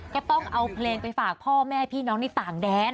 ต้องเอาเพลงไปฝากพ่อแม่พี่น้องในต่างแดน